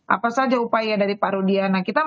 apa saja upaya dari pak rudiana